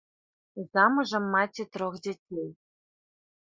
Замужам, маці трох дзяцей.